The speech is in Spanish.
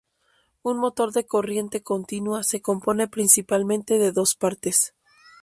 Un motor de corriente continua se compone principalmente de dos partes.